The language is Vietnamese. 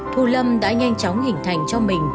thu lâm đã nhanh chóng hình thành cho mình